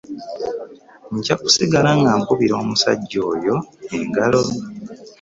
Nja kusigala nga nkubira omusajja oyo engalo.